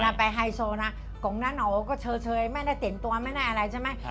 ไปไฮโซนะกงน้าโหก็เฉยไม่ได้แต่งตัวไม่ได้อะไรใช่ไหม